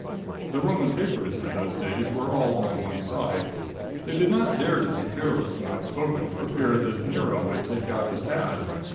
The Roman papers in those days were all on one side. They did not dare to be fearless and outspoken, for fear that Nero would take out his ad.